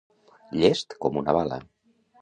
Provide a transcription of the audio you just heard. Llest com una bala.